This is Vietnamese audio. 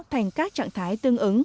thành các trạng thái tương ứng